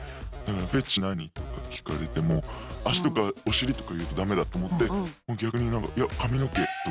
「フェチ何？」とか聞かれても足とかお尻とか言うとダメだと思って逆になんかいや髪の毛とか。